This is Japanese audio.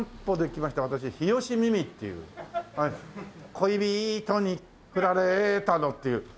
「恋人にふられたの」っていう。